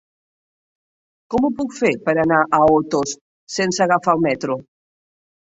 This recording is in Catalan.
Com ho puc fer per anar a Otos sense agafar el metro?